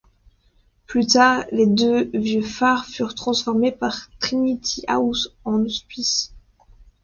Plus tard, les deux vieux phares furent transformés par Trinity House en hospices.